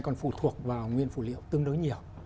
còn phụ thuộc vào nguyên phụ liệu tương đối nhiều